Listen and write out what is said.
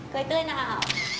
cười tươi nào